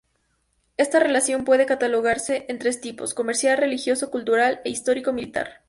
Esta relación puede catalogarse en tres tipos: comercial, religioso-cultural e histórico-militar.